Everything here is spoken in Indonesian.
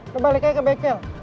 kebalik aja ke bengkel